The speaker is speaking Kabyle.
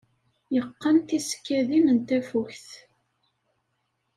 Yeqqen tisekkadin n tafukt.